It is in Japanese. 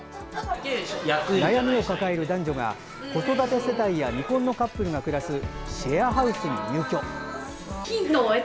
悩みを抱える男女が子育て世帯や未婚のカップルが暮らすシェアハウスに入居。